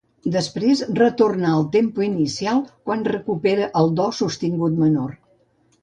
Després retorna al tempo inicial quan recupera el do sostingut menor.